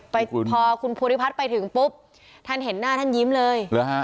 พอคุณภูริพัฒน์ไปถึงปุ๊บท่านเห็นหน้าท่านยิ้มเลยเหรอฮะ